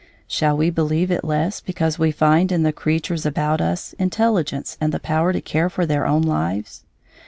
Shall we believe it less because we find in the creatures about us intelligence and the power to care for their own lives?